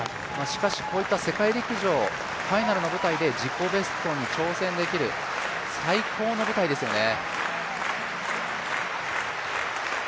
こういった世界陸上ファイナルの舞台で自己ベストに挑戦できる、最高の舞台ですよね。